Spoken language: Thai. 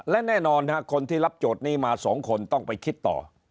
และแน่นอนคนที่รับโจทย์นี้มา๒คนต้องไปคิดต่อ